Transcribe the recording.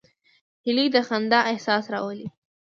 هیلۍ د خندا احساس راولي